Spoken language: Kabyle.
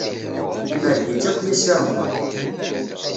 Imerreg-itt akya Si Remḍan.